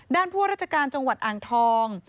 ด้านพวกราชการจังหวัดอ่างทอง